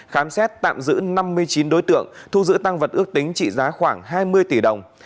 khám xét tạm giữ năm mươi chín đối tượng thu giữ tăng vật ước tính trị giá khoảng hai mươi tỷ đồng